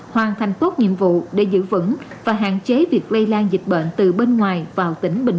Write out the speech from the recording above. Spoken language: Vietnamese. hoàn thành tốt nhiệm vụ để giữ vững và hạn chế việc lây lan dịch bệnh